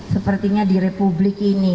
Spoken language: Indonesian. sepertinya di republik ini